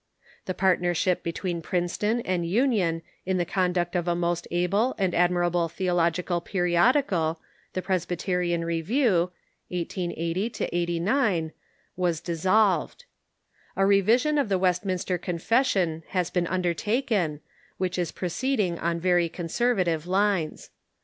The partnership between Princeton and Union in the conduct of a most able and admirable theological period ical. The Presb7jtericmJievieic{18SO 8d), was dissolved. A revis ion of the Westminster Confession has been undertaken, which is proceeding on very conservative lines.